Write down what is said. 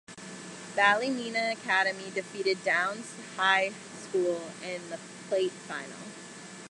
Ballymena Academy defeated Down High School in the Plate final.